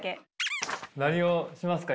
何をしますか？